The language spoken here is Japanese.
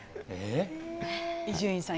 伊集院さん